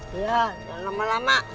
oh iya enggak lama lama